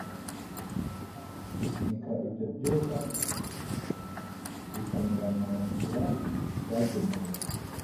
gusunika ibyo byuka bikanyura mu nzira byagenewe.